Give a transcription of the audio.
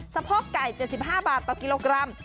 สะโพกไก่๗๕บาทต่อกิโลกรัม